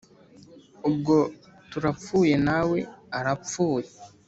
Ubwo turapfuye nawe arapfuye